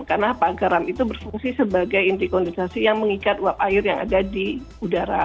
karena garam itu berfungsi sebagai inti kondensasi yang mengikat uap air yang ada di udara